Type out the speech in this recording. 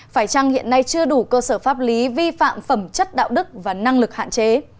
phải chăng hiện nay chưa đủ cơ sở pháp lý vi phạm phẩm chất đạo đức và năng lực hạn chế